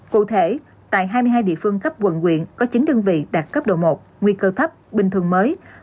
cụ thể tại hai mươi hai địa phương cấp quận quyện có chín đơn vị đạt cấp độ một nguy cơ thấp bình thường mới